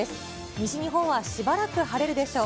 西日本はしばらく晴れるでしょう。